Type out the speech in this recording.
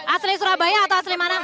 asli surabaya atau asli manang